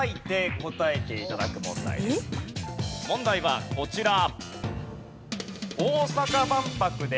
問題はこちら。